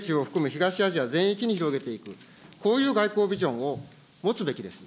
東アジア全域に広げていく、こういう外交ビジョンを持つべきです。